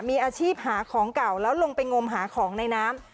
มีอาชีพหาของเก่าแล้วลงไปงมหาของในน้ำ